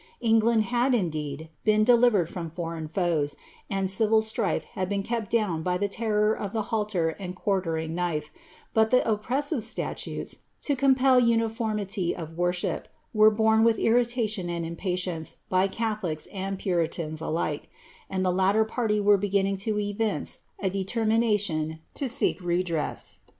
England had, indeed, been delivered from foreign foes, and civil strife had been kept down by the terror of the halter and quartering knife, but the oppressive statutes, to compel uniformity of worship, were borne with irritation and impa tience by catholics and puritans alike ; and the latter party were begin fliag to evince a determination to seek redress.